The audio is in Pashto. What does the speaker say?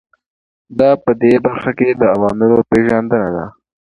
دا په دې برخه کې د عواملو پېژندنه ده.